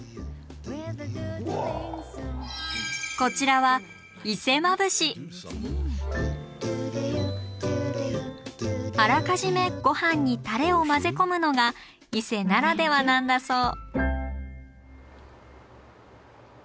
こちらはあらかじめごはんにタレを混ぜ込むのが伊勢ならではなんだそう。